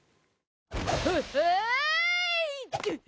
ほっほーい！